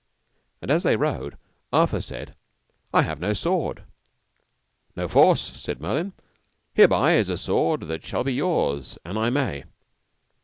And as they rode, Arthur said, I have no sword. No force, said Merlin, hereby is a sword that shall be yours, an I may.